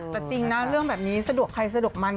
แต่จริงนะเรื่องแบบนี้สะดวกใครสะดวกมัน